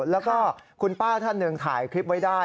แล้วก็คุณป้าท่านหนึ่งถ่ายคลิปไว้ได้